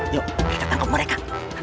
yuk kita tangkep mereka